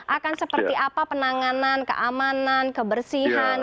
akan seperti apa penanganan keamanan kebersihan